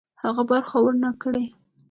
هغه برخه ورنه کړي.